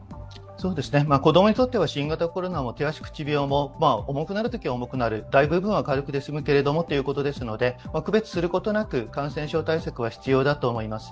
子供にとっては新型コロナも手足口病も重くなるところは重くなる、大部分は軽くて済むけれどもということですので、区別することなく感染症対策は必要だと思います。